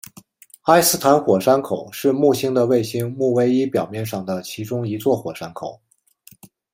埃斯坦火山口是木星的卫星木卫一表面上的其中一座火山口。